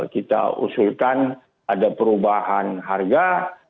kita usulkan ada perubahan harga